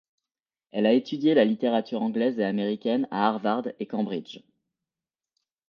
Elle a étudié la littérature anglaise et américaine à Harvard et Cambridge.